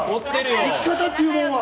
生き方っていうものは！